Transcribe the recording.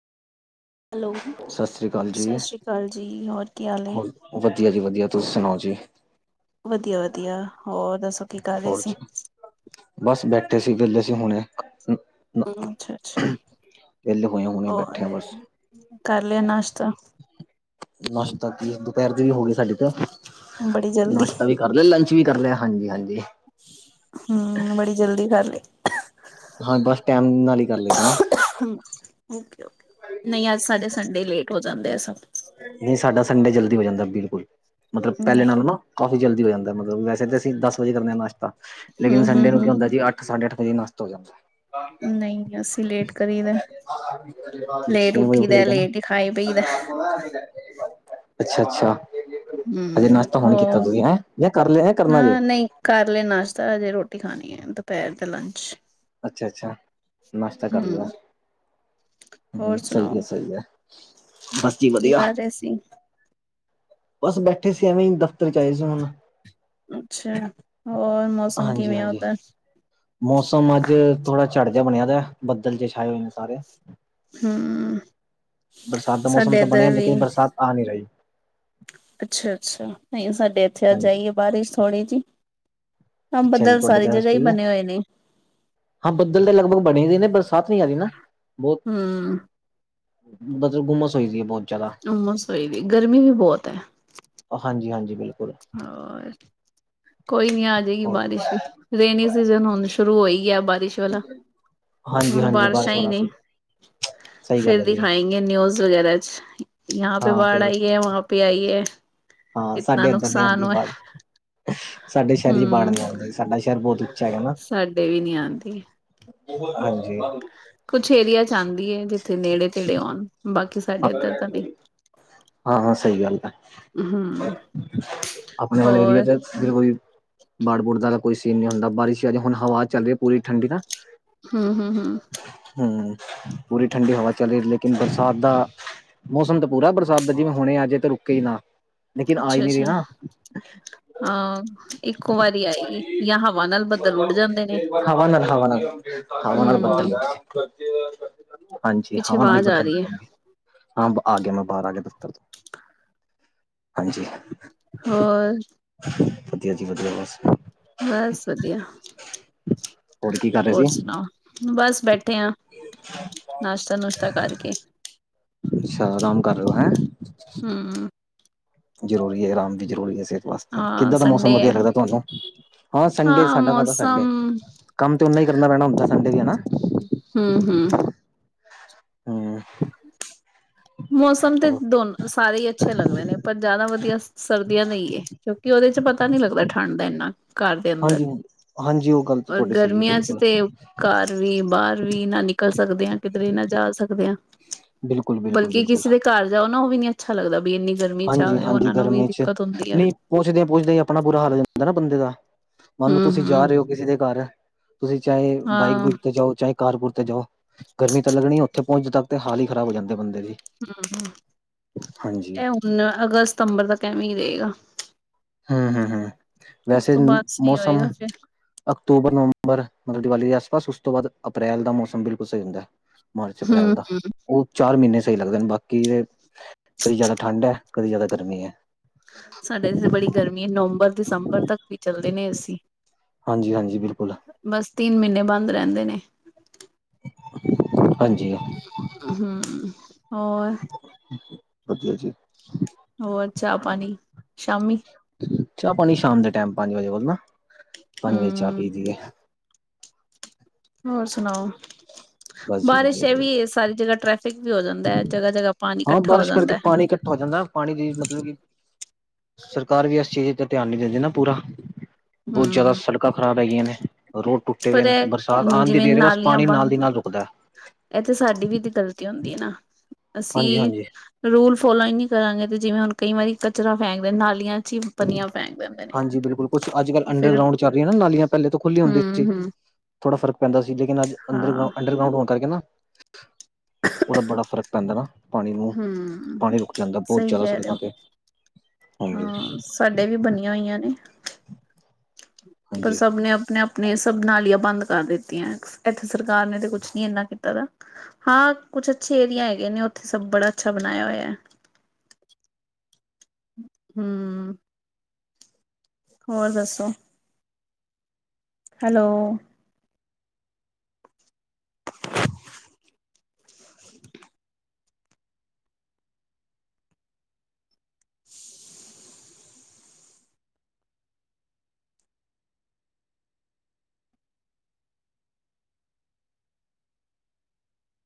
Hello ਸਤਿ ਸ੍ਰੀ ਅਕਾਲ ਜੀ। ਸਤਿ ਸ਼੍ਰੀ ਅਕਾਲ ਜੀ, ਹੋਰ ਕੀ ਹਾਲ ਐ? ਹੋਰ ਵਧੀਆ ਜੀ ਵਧੀਆ, ਤੁਸੀਂ ਸੁਣਾਓ ਜੀ? ਵਧੀਆ ਵਧੀਆ, ਹੋਰ ਦੱਸੋ? ਕੀ ਕਰ ਰਹੇ ਔਰ ਸੀ ਜੀ ਬਸ ਬੈਠੇ ਸੀ, ਬਹਿਲੇ ਸੀ ਹੁਣ ਹੋਏ ਹੁਣੇ ਬੈਠੇ ਆ ਬਸ। ਕਰ ਲਿਆ ਨਾਸ਼ਤਾ? ਦੁਪਹਿਰ ਦਾ ਵੀ ਹੋ ਗਿਆ ਸਾਡਾ ਤਾ, ਬੜੀ ਜਲਦੀ ਨਾਸ਼ਤਾ ਵੀ ਕਰਲਿਆ, ਲੰਚ ਵੀ ਕਰ ਲਿਆ ਹਾਂਜੀ। ਬੜੀ ਜਲਦੀ ਕਰ ਲਿਆ। ਹਾਂ ਬਸ ਟਾਈਮ ਨਾਲ ਹੀ ਕਰ ਹੂੰ ਔਕੇ-ਔਕੇ, ਨਹੀਂ ਅੱਜ ਸਾਡੇ ਸੰਡੇ ਲੇਟ ਹੋ ਜਾਂਦੇ ਆ ਸਭ ਨਹੀਂ ਸਾਡਾ ਸੰਡੇ ਜਲਦੀ ਹੋ ਜਾਂਦਾ, ਬਿਲਕੁਲ ਮਤਲਬ ਪਹਿਲੇ ਨਹੀਂ ਨਾਲੋ ਨਾ ਕਾਫ਼ੀ ਜਲਦੀ ਹੋ ਜਾਂਦਾ, ਮਤਲਬ ਵੈਸੇ ਤਾਂ ਅਸੀਂ ਦਸ ਵਜੇ ਕਰਦੇ ਹਾਂ ਨਾਸ਼ਤਾ, ਲੇਕਿਨ ਹਮ ਹਮ ਸੰਡੇ ਨੂੰ ਕੀ ਹਮ ਹੁੰਦਾ ਹੈ ਜੀ, ਅੱਠ ਸਾਢੇ ਅੱਠ ਵਜੇ ਨਾਸ਼ਤਾ ਹੋ ਜਾਂਦਾ ਏ। ਨਹੀ, ਅਸੀਂ ਲੇਟ ਕਰੀ ਦਾ। ਲੇਟ ਛੇ ਵਜੇ ਉੱਠੀ ਉਠ ਜਾਈ ਦਾ ਲੇਟ ਹੀ ਖਾਈ ਪਈ ਦਾ ਏ। ਅੱਛਾ-ਅੱਛਾ। ਹਮ ਹਜੇ ਨਾਸ਼ਤਾ ਹੁਣ ਕੀਤਾ ਹੋਰ ਤੁਸੀ ਹੈਂ, ਜਾਂ ਕਰ ਲਿਆ ਹੈਂ, ਕਰਨਾ ਜੇ। ਹਾਂ ਨਹੀਂ ਕਰ ਲਿਆ ਨਾਸ਼ਤਾ, ਹਜੇ ਰੋਟੀ ਖਾਣੀ ਹੈ ਦੁਪਹਿਰ ਦਾ ਲੰਚ। ਅੱਛਾ-ਅੱਛਾ ਨਾਸ਼ਤਾ ਕਰ ਲਿਆ ਹਮ ਹੋਰ ਸੁਣਾਓ ਸਹੀ ਹੈ, ਸਹੀ ਹੈ। ਬਸ ਜੀ ਕੀ ਵਧੀਆ। ਕਰ ਰਹੇ ਸੀ ਬਸ ਬੈਠੇ ਸੀ ਐਵੇਂ ਹੀ, ਦਫ਼ਤਰ ਚ ਆਏ ਸੀ ਹੁਣ। ਅੱਛਾ, ਹੋਰ ਮੌਸਮ ਕਿਵੇਂ ਹਾਂਜੀ-ਹਾਂਜੀ ਓਧਰ? ਮੌਸਮ ਅੱਜ, ਥੋੜਾ ਝੜ੍ਹ ਜਿਹਾ ਬਣਿਆ ਦਾ ਬੱਦਲ ਜੇ ਛਾਏ ਹੋਏ, ਨੇ ਸਾਰੇ ਹੂੰ। ਬਰਸਾਤ ਦਾ ਮੌਸਮ ਸਾਡੇ ਤਾਂ ਬਣਿਆ ਇੱਧਰ ਵੀ ਲੇਕਿਨ, ਬਰਸਾਤ ਆ ਨਹੀ ਰਹੀ। ਅੱਛਾ-ਅੱਛਾ, ਨਹੀਂ ਸਾਡੇ ਇੱਥੇ ਅੱਜ਼ ਹਾਂਜੀ ਆਈ ਏ ਬਾਰਿਸ਼ ਥੋੜ੍ਹੀ ਜਿਹੀ ਹਾਂ, ਅੱਛਾ ਜੀ ਬੱਦਲ ਤੁਹਾਡੇ ਸਾਰੀ ਬਾਰਿਸ਼ ਜਗ੍ਹਾ ਹੀ ਪਈ ਹੈ ਬਣੇ ਹੋਏ ਨੇ। ਹਾਂ ਬੱਦਲ ਤਾਂ ਲਗਭਗ ਬਣੇ ਦੇ ਨੇ, ਬਰਸਾਤ ਨਹੀਂ ਆ ਰਹੀ ਨਾ ਬਹੁਤ ਹੂੰ ਮਤਲਬ ਹੁੰਮਸ ਹੋਈ ਦੀ ਹੈ, ਬਹੁਤ ਜ਼ਿਆਦਾ ਹੁੰਮਸ ਹੋਈ ਪਈ, ਗਰਮੀ ਵੀ ਬਹੁਤ ਏ। ਹਾਂਜੀ ਹਾਂਜੀ, ਬਿਲਕੁਲ। ਹੋਰ, ਕੋਈ ਨੀ ਆ ਜਾਏਗੀ ਬਾਰਿਸ਼ ਵੀ, ਰੇਨੀ ਸੀਜਨ ਹੁਣ ਸ਼ੁਰੂ ਹੋਈ ਏ ਬਾਰਿਸ਼ ਚਲੋ ਹੁਣ ਹਾਂਜੀ-ਹਾਂਜੀ ਬਾਰਿਸ਼ਾਂ ਬਾਰਿਸ਼ ਹੀ ਵਾਲਾ ਨੇ, ਸੀ ਸਹੀ ਗੱਲ ਫਿਰ ਹੈ ਜੀ ਦਿਖਾਈ ਨਿਊਜ਼ ਵਗੈਰਾ ਚ, ਯਹਾਂ ਪੇ ਹਾਂ ਬਾੜ ਫੇਰ ਆਈ ਹੈ ਵਹਾਂ ਪੇ ਆਈ ਐ। ਹਾਂ ਸਾਡੇ ਅੰਦਰ ਨੀ ਆਉਂਦੀ ਬਾੜ, ਸਾਡੇ ਸ਼ਹਿਰ ਚ ਬਾੜ ਹੂੰ ਨੀ ਆਉਂਦੀ, ਸਾਡਾ ਸ਼ਹਿਰ ਬਹੁਤ ਹੈਗਾ ਨਾ ਸਾਡੇ ਵੀ ਨੀ ਆਉਂਦੀ। ਹਾਂਜੀ, ਕੁਛ ਏਰੀਆ ਚ ਆਂਦੀ ਏ, ਜਿੱਥੇ ਨੇੜੇ ਤੇੜੇ ਆਉਣ ਬਾਕੀ ਸਾਡੇ ਇੱਧਰ ਤਾਂ ਨਹੀ। ਹਾਂ ਹਾਂ ਸਹੀ ਗੱਲ ਏ। ਹੂੰ। ਅਪਣੇ ਵਾਲੇ ਏਰੀਏ ਹੋਰ ਤੇ ਫੇਰ ਓਹੀ, ਬਾੜ ਬੂੜ ਵਾਲਾ ਕੋਈ ਸੀਨ ਨੀ ਹੁੰਦਾ ਬਾਰਿਸ਼ ਆਜੇ, ਹੁਣ ਹਵਾ ਚੱਲ ਰਹੀ ਪੂਰੀ ਠੰਡੀ ਨਾ ਹੂੰ ਹੂੰ ਹੂੰ ਹੂੰ, ਪੂਰੀ ਠੰਡੀ ਹਵਾ ਚੱਲ ਰਹੀ ਲੇਕਿਨ ਬਰਸਾਤ ਦਾ ਮੌਸਮ ਤਾਂ ਪੂਰਾ ਬਰਸਾਤ ਦਾ ਜਿਵੇਂ ਹੁਣੇ ਆ ਅਜੇ ਤਾਂ ਰੁਕੇ ਹੀ ਨਾ। ਲੇਕਿਨ ਆਈ ਅੱਛਾ ਨਹੀ ਅੱਛਾ ਰਹੀ ਨਾ, ਹਾਂ ਇੱਕੋ ਵਾਰੀ ਆਏਗੀ ਜਾਂ ਹਵਾ ਨਾਲ ਬੱਦਲ ਉੱਡ ਜਾਂਦੇ ਨੇ [unintelligible] ਹਵਾ ਨਾਲ ਹਵਾ ਨਾਲ ਹੂੰ ਬਦੱਲ ਹਾਂਜੀ ਪਿੱਛੇ ਹਵਾ ਨਾਲ ਹੀ ਆਵਾਜ਼ ਆ ਬੱਦਲ ਰਹੀ ਹੈ ਹਾਂ ਆ ਗਿਆ ਮੈਂ ਬਾਹਰ ਆ ਗਿਆ ਦਫ਼ਤਰ ਚੋ, ਹਾਂਜੀ ਹੋਰ ਵਧਿਆ ਜੀ ਵਧਿਆ, ਬਸ ਬਸ ਵਧੀਆ, ਕੀ ਕਰ ਰਹੇ ਹੋਰ ਸੀ ਸੁਣਾਓ। ਬਸ ਬੈਠੇ ਹਾਂ ਨਾਸ਼ਤਾ ਨੁਸ਼ਤਾ ਕਰਕੇ ਅੱਛਾ ਆਰਾਮ ਕਰ ਰਹੇ ਹੋ, ਹੈਂ। ਹੂੰ ਹੂੰ ਜ਼ਰੂਰੀ ਏ, ਆਰਾਮ ਵੀ ਜ਼ਰੂਰੀ ਏ, ਸੇਹਤ ਵਾਸਤੇ। ਹਾਂ ਕਿੱਦਾਂ ਦਾ ਸੰਡੇ ਮੌਸਮ ਹੈ ਵਧੀਆ ਲੱਗਦਾ ਤੁਹਾਨੂੰ? ਹਾਂ ਸੰਡੇ, ਸਾਡਾ ਕਾਹਦਾ ਸੰਡੇ। ਕੰਮ ਤੇ ਓਨਾ ਹੀ ਕਰਨਾ ਪੈਣਾ ਹੁੰਦਾ ਸੰਡੇ ਵੀ, ਹੈਨਾ। ਹੂੰ ਹੂੰ ਹੂੰ। ਮੌਸਮ ਤੇ ਦੋਨ ਸਾਰੇ ਹੀ ਅੱਛੇ ਲੱਗਦੇ ਨੇ ਪਰ ਜ਼ਿਆਦਾ ਵਧੀਆ ਸਰਦੀ ਦਾ ਹੀ ਲੱਗਦਾ ਏ ਸਰਦੀਆਂ ਦੇ ਕਿਉਂਕਿ ਉਹਦੇ ਚ ਪਤਾ ਨਹੀਂ ਲੱਗਦਾ ਠੰਡ ਦਾ ਇੰਨਾ। ਘਰ ਦੇ ਅੰਦਰ ਹਾਂਜੀ ਹਾਂਜੀ ਉਹ ਗੱਲ ਤਾਂ ਰ ਤੁਹਾਡੀ ਸਹੀ ਹੈ ਗਰਮੀਆਂ ਚ ਬਿਲਕੁਲ ਤੇ ਘਰ ਵੀ ਬਾਹਰ ਵੀ ਨਾ ਨਿਕਲ ਸਕਦੇ ਆਾਂ ਕਿਧਰੇ ਨਾ ਜਾ ਸਕਦੇ ਹ ਬਿਲਕੁਲ ਬਿਲਕੁਲ ਬਲਕਿ ਬਿਲਕੁਲ ਕਿਸੇ ਦੇ ਘਰ ਜਾਓ ਨਾ ਉਹ ਵੀ ਨੀ ਅੱਛਾ ਲੱਗਦਾ ਵੀ ਇੰਨੀ ਗਰਮੀ ਚ ਆਵੇ ਉਹਨਾ ਨੂੰ ਵੀ ਦਿੱਕਤ ਹੁੰਦੀ ਹੈ ਪੁੱਜਦੇ ਪੁੱਜਦੇ ਹੀ ਆਪਣਾ ਬੁਰਾ ਹਾਲ ਜਾਂਦਾ ਨਾ ਬੰਦੇ ਦਾ ਮੰਨੋ ਹੂੰ ਤੁਸੀਂ ਜਾ ਹੂੰ ਰਹੇ ਹੋ ਕਿਸੇ ਦੇ ਘਰ ਤੁਸੀਂ ਚਾਹੇ ਬਾਈਕ ਹਾਂ ਹੂੰ ਬੁਈਕ ਤੇ ਜਾਓ ਚਾਹੇ ਕਾਰ ਕੂਰ ਤੇ ਜਾਓ ਗਰਮੀ ਤਾਂ ਲੱਗਣੀ ਉੱਥੇ ਪਹੁੰਚਨ ਤੱਕ ਤੇ ਹਾਲ ਈ ਖ਼ਰਾਬ ਹੋ ਜਾਂਦੇ ਬੰਦੇ ਦੇ ਹੂੰ ਹੂੰ ਇਹ ਹੁਣ ਅਗਸਤ ਸਤੰਬਰ ਦਾ ਐਵੇਂ ਹੀ ਰਹੇਗਾ ਹੂੰ ਹੂੰ ਹੂੰ ਉਸ ਵੈਸੇ ਤੋਂ ਵੀ ਬਾਅਦ ਸਹੀ ਮੌਸਮ ਹੋਏਗਾ ਫਿਰ ਅਕਤੂਬਰ ਨਵੰਬਰ ਮਤਲਬ ਦੀਵਾਲੀ ਦੇ ਆਸ ਪਾਸ ਉਸ ਤੋਂ ਬਾਅਦ ਅਪ੍ਰੈਲ ਦਾ ਮੌਸਮ ਬਿਲਕੁਲ ਸਹੀ ਹੁੰਦਾ ਹੈ ਮਾਰਚ ਅਪ੍ਰੈਲ ਹੂੰ ਦਾ ਉਹ ਚਾਰ ਮਹੀਨੇ ਸਹੀ ਲਗਦੇ ਬਾਕੀ ਬੜੀ ਜ਼ਿਆਦਾ ਠੰਡ ਹੈ ਕਦੀ ਜ਼ਿਆਦਾ ਗਰਮੀ ਐ ਸਾਡੇ ਇੱਥੇ ਬੜੀ ਗਰਮੀ ਹੈ ਨਵੰਬਰ ਦਸੰਬਰ ਤੱਕ ਵੀ ਚੱਲਦੇ ਨੇ ਅਸੀਂ ਹਾਂਜੀ ਹਾਂਜੀ ਬਿਲਕੁਲ ਬਸ ਤਿੰਨ ਮਹੀਨੇ ਬੰਦ ਰਹਿੰਦੇ ਨੇ ਹਾਂਜੀ ਹੂੰ ਹੂੰ ਹੋਰ ਹਾਂਜੀ ਹਾਂਜੀ ਹੋਰ ਚਾਹ ਪਾਣੀ ਸ਼ਾਮੀ ਚਾਹ ਪਾਣੀ ਸ਼ਾਮ ਦੇ ਟਾਈਮ ਪੰਜ ਵਜੇ ਅਉਣਾ ਪੰਜ ਵਜੇ ਚਾਹ ਹੂੰ ਪੀ ਦੀਏ ਹੋਰ ਸੁਣਾਓ ਬਸ ਜੀ ਬਾਰਿਸ਼ ਵਧੀਆ ਜੀ ਐਵੀਂ ਏ ਸਾਰੀ ਜਗ੍ਹਾ ਟ੍ਰੈਫਿਕ ਵੀ ਹੋ ਜਾਂਦਾ ਹੈ ਜਗ੍ਹਾ ਜਗ੍ਹਾ ਪਾਣੀ ਹਾਂ ਇਕੱਠਾ ਹੋ ਬਾਰਿਸ਼ ਕਰਕੇ ਜਾਂਦਾ ਹੈ ਪਾਣੀ ਇਕੱਠਾ ਹੋ ਜਾਂਦਾ ਪਾਣੀ ਦੀ ਮਤਲਬ ਕਿ ਸਰਕਾਰ ਵੀ ਇਸ ਚੀਜ਼ ਤੇ ਧਿਆਨ ਨਿ ਦਿੰਦੀ ਨਾ ਪੂਰਾ ਬਹੁਤ ਜ਼ਿਆਦਾ ਹੂੰ ਸੜਕਾਂ ਖਰਾਬ ਹੈਗੀਆਂ ਨੇ ਰੋਡ ਟੁੱਟ ਤੇਵੇ ਪਰ ਨਾ ਇਹ ਬਰਸਾਤ ਆਉਣ ਦੀ ਦੇਰ ਏ ਬਸ ਪਾਣੀ ਨਾਲ ਦੀ ਨਾਲ ਰੁਕਦਾ ਹੈ ਇਹਥੇ ਸਾਡੀ ਵੀ ਤੇ ਗ਼ਲਤੀ ਹੁੰਦੀ ਹੈ ਨਾ ਅਸੀਂ ਹਾਂਜੀ-ਹਾਂਜੀ ਰੂਲ ਫੋਲੋ ਹੀ ਨਹੀਂ ਕਰਾਂਗੇ ਤੇ ਜਿਵੇਂ ਹੁਣ ਕਈ ਵਾਰੀ ਕਚਰਾ ਫੈਂਕਦੇ ਨਾਲੀਆਂ ਚੀ ਪਨੀਆ ਫੰਕ ਦਿੰਦੇ ਨੇ ਹਾਂਜੀ ਬਿਲਕੁਲ ਕੁਛ ਅੱਜ ਕੱਲ੍ਹ ਫਿਰ ਅੰਡਰਗਰਾਊਂਡ ਚੱਲ ਰਹੀਆਂ ਨਾ ਨਾਲੀਆਂ ਪਹਿਲੇ ਤੋਂ ਖੁੱਲੀ ਹੁੰਦੀ ਸੀ ਹਮ ਹਮ ਥੋੜਾ ਫਰਕ ਪੈਂਦਾ ਸੀ ਲੇਕਿਨ ਅਜ ਅੰ ਅੰਡਰ ਗਰਾਊਂਡ ਹੋਣਕੇ ਨਾ ਉਹਦਾ ਬੜਾ ਫ਼ਰਕ ਪੈਂਦਾ ਨਾ ਪਾਣੀ ਨੂੰ ਹੂੰ ਪਾਣੀ ਰੁਕ ਜਾਂਦਾ ਬਹੁਤ ਸਹੀ ਜ਼ਿਆਦਾ ਕਹਿ ਰਹੇ ਸੜਕਾਂ ਹੋ ਤੇ ਹਾਂਜੀ ਭਡੇ ਵੀ ਬਣੀਆਂ ਹੋਈਆਂ ਨੇ ਪਰ ਹਾਂਜੀ ਸਭ ਨੇ ਆਪਣੇ ਆਪ ਆਪਣੇ ਸਭ ਨਾਲੀਆਂ ਬੰਦ ਕਰ ਦਿੱਤੀਆਂ ਇੱਥੇ ਸਰਕਾਰ ਨੇ ਤੇ ਕੁਛ ਨੀ ਇਨਾ ਕੀਤਾ ਦਾ ਹਾਂ ਕੁੱਛ ਅੱਛੇ ਏਰੀਆ ਹੈਗੇ ਨੇ ਉੱਥੇ ਸਭ ਬੜਾ ਅੱਛਾ ਬਣਾਇਆ ਹੋਇਆ ਹਮ ਹੋਰ ਦੱਸੋ ਹੈਲੋ